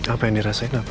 apa yang dirasain apa